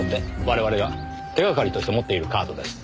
我々が手がかりとして持っているカードです。